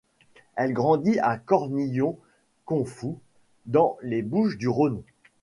Elle grandit à Cornillon-Confoux dans les Bouches-du-Rhône.